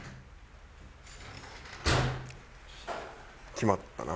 決まったな。